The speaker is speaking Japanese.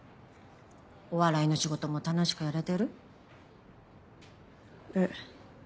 お笑いの仕事も楽しくやれてる？え。